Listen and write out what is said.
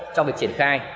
trong việc triển khai